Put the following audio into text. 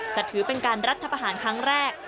จะถือเป็นการรัฐภาษณ์ครั้งแรก